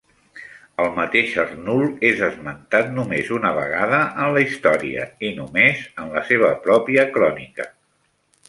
El mateix Ernoul és esmentat només una vegada en la història, i només en la seva pròpia crònica.